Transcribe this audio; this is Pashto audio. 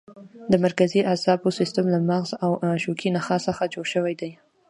د مرکزي اعصابو سیستم له مغز او شوکي نخاع څخه جوړ شوی دی.